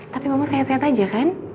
tapi mama sehat sehat aja kan